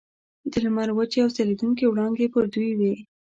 د لمر وچې او ځلیدونکي وړانګې پر دوی وې.